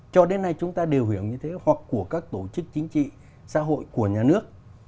cho đến nay chúng ta đều hiểu như thế hoặc của các tổ chức chính trị xã hội của nhà nước